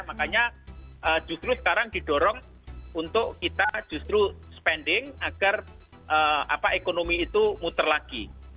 makanya justru sekarang didorong untuk kita justru spending agar ekonomi itu muter lagi